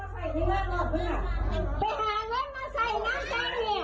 ไปหาหื้อมาใส่น้ำ